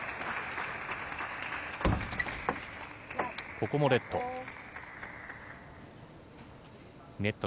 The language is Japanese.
ここもレット。